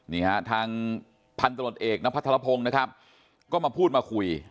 นี่ฮะทางพันตรวจเอกณพัทรพงศ์นะครับก็มาพูดมาคุย